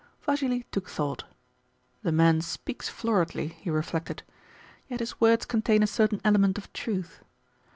Vassili took thought. "The man speaks floridly," he reflected, "yet his words contain a certain element of truth."